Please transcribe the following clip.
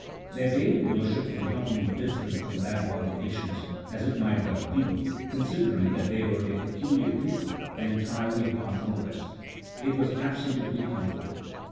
Their daily worship was not only different from that of other nations (as it might well be, considering that they were a peculiar people and entirely apart from the rest), it was absolutely con trary.